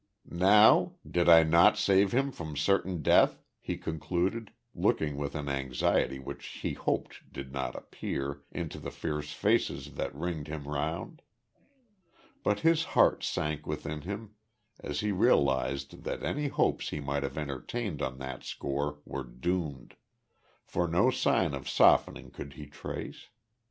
"Now? Did I not save him from certain death?" he concluded, looking with an anxiety which he hoped did not appear, into the fierce faces that ringed him round. But his heart sank within him, as he realised that any hopes he might have entertained on that score were doomed; for no sign of softening could he trace.